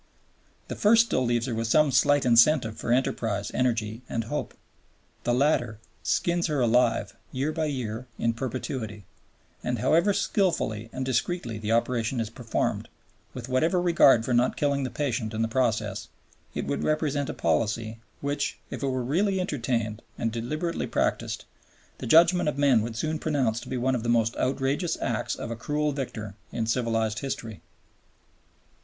The first still leaves her with some slight incentive for enterprise, energy, and hope. The latter skins her alive year by year in perpetuity, and however skilfully and discreetly the operation is performed, with whatever regard for not killing the patient in the process, it would represent a policy which, if it were really entertained and deliberately practised, the judgment of men would soon pronounce to be one of the most outrageous acts of a cruel victor in civilized history.